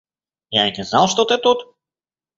Я и не знал, что ты тут.